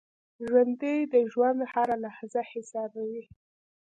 ژوندي د ژوند هره لحظه حسابوي